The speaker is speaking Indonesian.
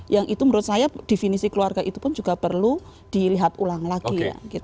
yang itu menurut saya definisi keluarga itu pun juga perlu dilihat ulang lagi